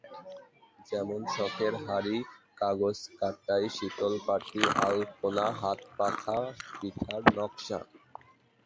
যেমন শখের হাঁড়ি, কাগজ কাটাই, শীতল পাটি, আলপনা, হাতপাখা, পিঠার নকশা।